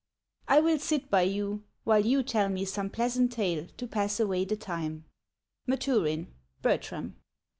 I will sit by you while you tell me some pleasant tale to pass away the time. — MATURIN: Bertram.